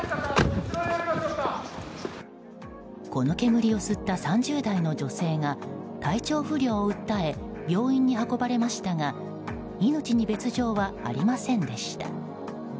この煙を吸った３０代の女性が体調不良を訴え病院に運ばれましたが命に別条はありませんでした。